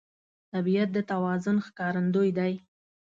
طبیعت د توازن ښکارندوی دی.